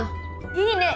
いいね！